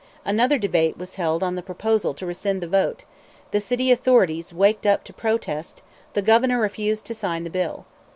Another debate was held on the proposal to rescind the vote; the city authorities waked up to protest; the Governor refused to sign the bill.